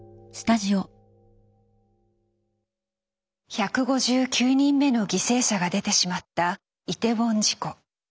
１５９人目の犠牲者が出てしまったイテウォン事故。